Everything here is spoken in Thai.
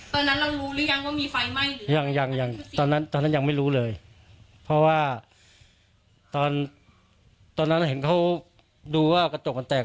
ตอนนั้นเรารู้หรือยังว่ามีไฟไหม้ยังยังตอนนั้นตอนนั้นยังไม่รู้เลยเพราะว่าตอนตอนนั้นเห็นเขาดูว่ากระจกมันแตก